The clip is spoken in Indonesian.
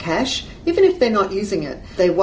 meskipun mereka tidak menggunakannya